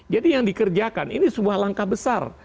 jadi yang dikerjakan ini sebuah langkah besar